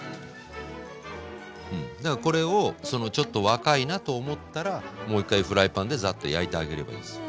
だからこれをちょっと若いなと思ったらもう一回フライパンでザッと焼いてあげればいいです。